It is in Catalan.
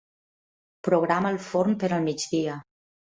Programa el forn per al migdia.